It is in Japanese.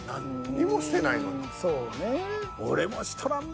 そうね。